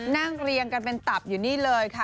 เรียงกันเป็นตับอยู่นี่เลยค่ะ